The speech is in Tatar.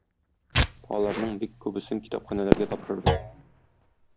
Аларның бик күбесен китапханәләргә тапшырдым.